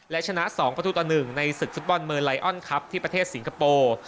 และชนะ๒ประตูต่อ๑ในศึกฟุตบอลเมอร์ไลออนครับที่ประเทศสิงคโปร์